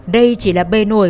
đây chỉ là bề nổi